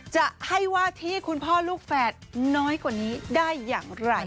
จะให้ว่าที่คุณพ่อลูกแฝดน้อยกว่านี้ได้อย่างไร